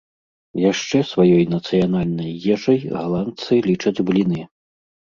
Яшчэ сваёй нацыянальнай ежай галандцы лічаць бліны.